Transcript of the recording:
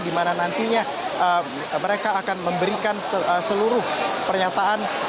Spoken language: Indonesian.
di mana nantinya mereka akan memberikan seluruh pernyataan